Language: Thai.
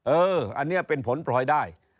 เอออันนี้เป็นผลพลอยได้